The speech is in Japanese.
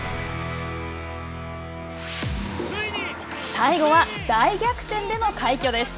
最後は大逆転での快挙です。